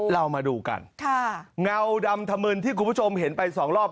เรามาดูกันเงาดำธมึนที่คุณผู้ชมเห็นไปสองรอบ